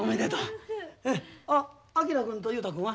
あ昭君と雄太君は？